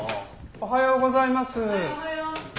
おはようございます。